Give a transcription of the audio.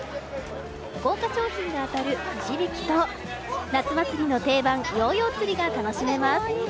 豪華賞品が当たるくじ引きと夏祭りの定番ヨーヨーつりが楽しめます。